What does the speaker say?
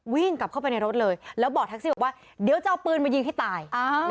วิ่งกลับเข้าไปในรถเลยแล้วบอกแท็กซี่บอกว่าเดี๋ยวจะเอาปืนมายิงให้ตาย